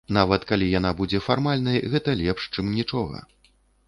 Нават калі яна будзе фармальнай, гэта лепш, чым нічога.